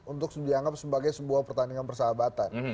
untuk dianggap sebagai sebuah pertandingan persahabatan